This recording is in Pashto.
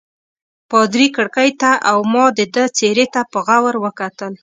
پادري کړکۍ ته او ما د ده څېرې ته په غور وکتل.